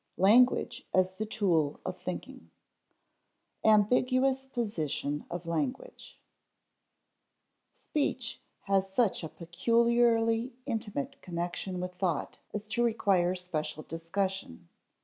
Language as the Tool of Thinking [Sidenote: Ambiguous position of language] Speech has such a peculiarly intimate connection with thought as to require special discussion.